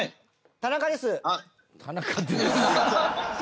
「田中です」。